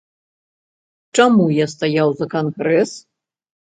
Чаму я стаяў за кангрэс?